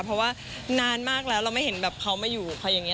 เพราะว่านานมากแล้วเราไม่เห็นแบบเขามาอยู่กับเขาอย่างนี้